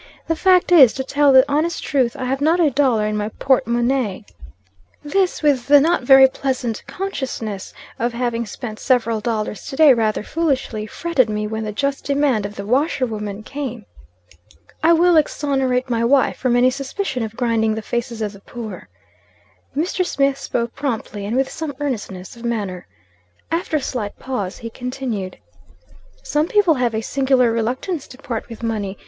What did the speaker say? The fact is, to tell the honest truth, I have not a dollar in my porte monnaie; this with the not very pleasant consciousness of having spent several dollars to day rather foolishly, fretted me when the just demand of the washerwoman came." "I will exonerate my wife from any suspicion of grinding the faces of the poor." Mr. Smith spoke promptly and with some earnestness of manner. After a slight pause, he continued, "Some people have a singular reluctance to part with money.